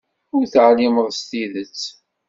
Ur teεlimeḍ s tidet.